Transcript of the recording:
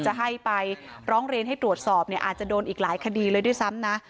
จะให้ไปร้องเรียนให้ตรวจสอบเนี่ยอาจจะโดนอีกหลายคดีเลยด้วยซ้ำนะ